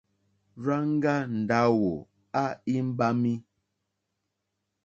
Rzanga Ndawo a imbami.